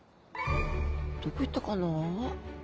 どこ行ったかな？